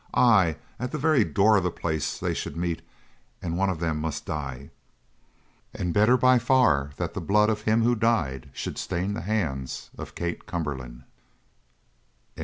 Ay, at the very door of the place they should meet and one of them must die. And better by far that the blood of him who died should stain the hands of Kate Cumberland.